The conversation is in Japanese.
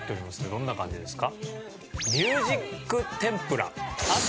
どんな感じですか？